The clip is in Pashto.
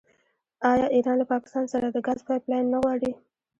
آیا ایران له پاکستان سره د ګاز پایپ لاین نه غواړي؟